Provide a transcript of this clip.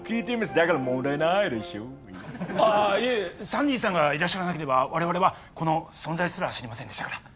サンディーさんがいらっしゃらなければ我々はこの存在すら知りませんでしたから。